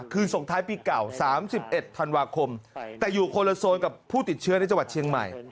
ส่งท้ายปีเก่า๓๑ธันวาคมแต่อยู่คนละโซนกับผู้ติดเชื้อในจังหวัดเชียงใหม่